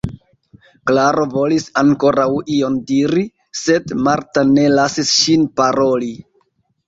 Klaro volis ankoraŭ ion diri, sed Marta ne lasis ŝin paroli.